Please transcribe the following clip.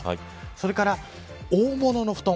それから大物の布団。